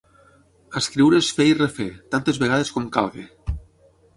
Escriure és fer i refer, tantes vegades com calgui.